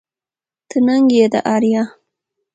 ته ننگ يې د اريا